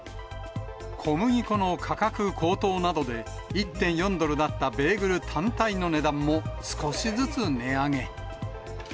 小麦粉の価格高騰などで、１．４ドルだったベーグル単体の値段も、少しずつ値上げ。